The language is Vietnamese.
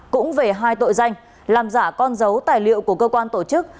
cũng về hai tội danh làm giả con dấu tài liệu của cơ quan tổ chức